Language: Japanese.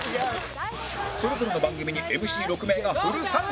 それぞれの番組に ＭＣ６ 名がフル参戦！